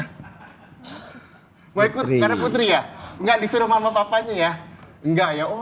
hai maipur dan putri ya enggak disuruh mama papanya nggak ya orang